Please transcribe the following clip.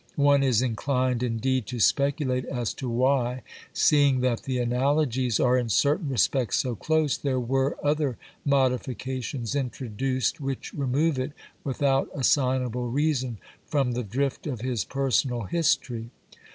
One is inclined, indeed, to speculate as to why, seeing that the analogies are in certain respects so close, there were other modifications introduced which remove it, without xxU BIOGRAPHICAL AND assignable reason, from the drift of his personal history.